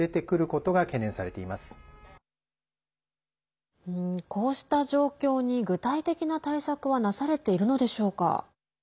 こうした状況に具体的な対策はなされているのでしょうか。